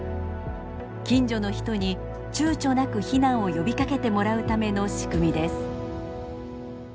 近所の人にちゅうちょなく避難を呼びかけてもらうための仕組みです。